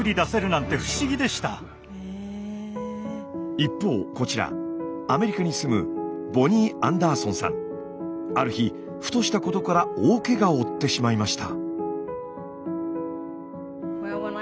一方こちらアメリカに住むある日ふとしたことから大けがを負ってしまいました。